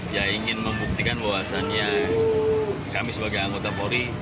ya ingin membuktikan bahwasannya kami sebagai anggota polri